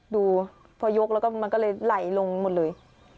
ดูพอยกแล้วก็มันก็เลยไหลลงหมดเลย